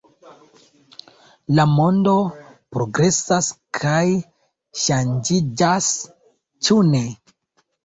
La mondo progresas kaj ŝanĝiĝas, ĉu ne?